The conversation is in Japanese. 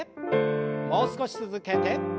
もう少し続けて。